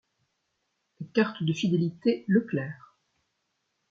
Des cartes de fidélité Leclerc.